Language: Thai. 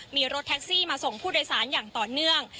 มีรถแท็กซี่มาส่งผู้โดยสารอย่างต่อเนื่อง